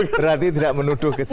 berarti tidak menuduh ke kita